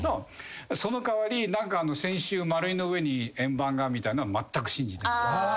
その代わり「先週マルイの上に円盤が」みたいのはまったく信じてない。